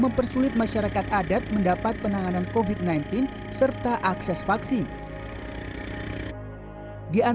mempersulit masyarakat adat mendapat penanganan kofit sembilan belas serta akses vaksin